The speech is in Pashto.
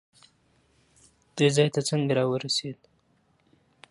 دې ځای ته څنګه راورسېد؟